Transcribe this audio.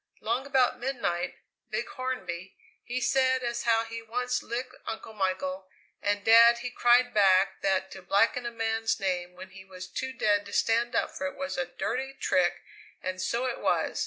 Long about midnight Big Hornby he said as how he once licked Uncle Michael, and Dad he cried back that to blacken a man's name when he was too dead to stand up for it was a dirty trick, and so it was!